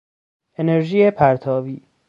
انرژی پرتاوی